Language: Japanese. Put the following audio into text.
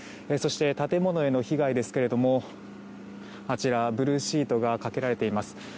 そして建物への被害ですけれどもあちらブルーシートがかけられています。